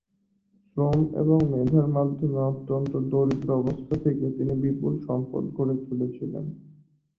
শ্রম এবং মেধার মাধ্যমে অত্যন্ত দরিদ্র অবস্থা থেকে তিনি বিপুল সম্পদ গড়ে তুলেছিলেন।